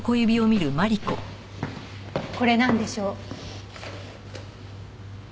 これなんでしょう？